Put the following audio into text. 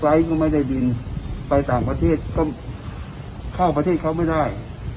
ก็ไม่ได้บินไปต่างประเทศก็เข้าประเทศเขาไม่ได้